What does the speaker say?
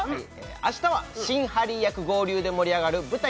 あしたは新ハリー役合流で盛り上がる舞台